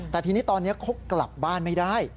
แต่ทีนี้ตอนนี้เขากลับบ้านไม่ได้